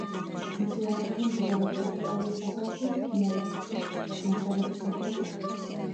მისი ვენახები მდებარეობს ავსტრალიის დასავლეთით, მდინარე მარგარეტის მახლობლად.